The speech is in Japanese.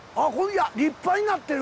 いや立派になってる。